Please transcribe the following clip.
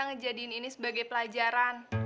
ngejadiin ini sebagai pelajaran